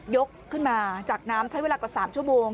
ขึ้นมาจากน้ำใช้เวลากว่า๓ชั่วโมง